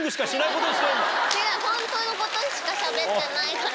違う本当のことしかしゃべってないから。